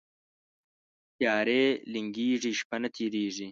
تیارې لنګیږي، شپه نه تیریږي